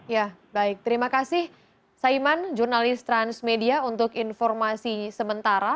ya baik terima kasih saiman jurnalis transmedia untuk informasi sementara